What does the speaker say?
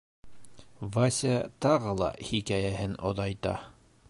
Вася тағы ла хикәйәһен оҙайта.